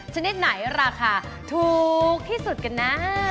ชนิดไหนราคาถูกที่สุดกันนะ